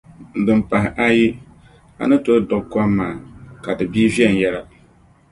Dim pahi ayi, a ni tooi duɣi kom maa ka di bii vɛnyɛla.